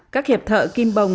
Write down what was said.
các hiệp thợ kim bồng